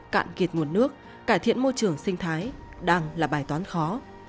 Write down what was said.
cạn kiệt nguồn nước cải thiện môi trường sinh thái đang là bài toán khó